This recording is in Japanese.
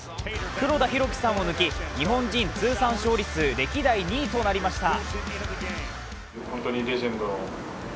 黒田博樹さんを抜き、日本人通算勝利数歴代２位となりました。